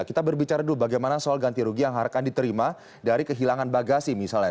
kita berbicara dulu bagaimana soal ganti rugi yang akan diterima dari kehilangan bagasi misalnya